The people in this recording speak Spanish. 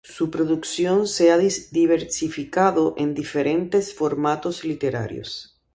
Su producción se ha diversificado en diferentes formatos literarios.